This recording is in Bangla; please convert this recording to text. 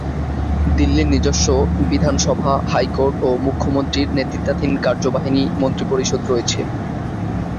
দিল্লির নিজস্ব বিধানসভা, হাইকোর্ট ও মুখ্যমন্ত্রীর নেতৃত্বাধীন কার্যনির্বাহী মন্ত্রিপরিষদ রয়েছে।